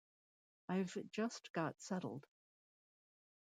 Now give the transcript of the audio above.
I've just got settled.